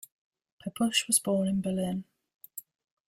Pepusch was born in Berlin.